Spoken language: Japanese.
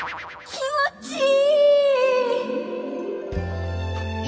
気持ちいい！